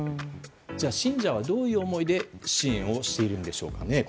じゃあ、信者はどういう思いで支援をしているんでしょうかね。